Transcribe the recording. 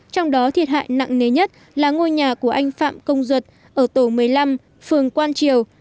trong đó thiệt hại nặng nề nhất là ngôi nhà của anh phạm công duật ở tổ một mươi năm phường quang triều